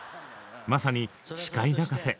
まさに司会泣かせ！